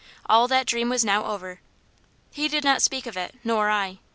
All that dream was now over. He did not speak of it nor I.